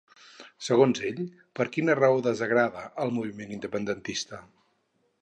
Segons ell, per quina raó desagrada el moviment independentista?